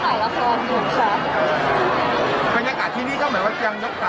จะบอกว่าใช่มันมากหนักมากค่ะแต่ว่าเพื่อความสวยงามค่ะ